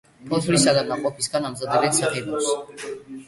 ფოთლისა და ნაყოფისგან ამზადებენ საღებავს.